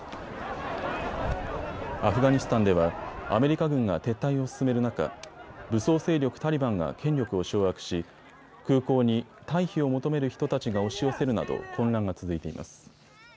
アフガニスタンではアメリカ軍が撤退を進める中、武装勢力タリバンが権力を掌握し空港に退避を求める人たちが押し寄せるなど混乱が続いています。